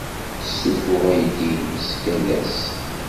Tessuffuɣ aydi-nnes yal ass.